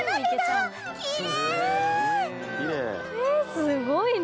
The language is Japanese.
すごいな。